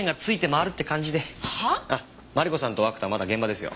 あっマリコさんと涌田はまだ現場ですよ。